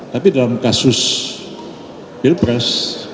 tapi dalam kasus pilpres